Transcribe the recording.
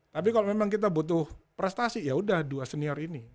tapi kalau memang kita butuh prestasi yaudah dua senior ini